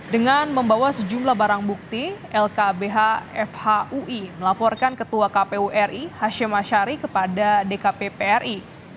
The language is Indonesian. dengan membawa sejumlah barang bukti lkbh fhui melaporkan ketua kpu ri hashim ashari kepada dkppri